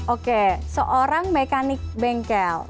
oke seorang mekanik bengkel